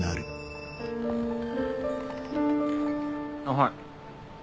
はい。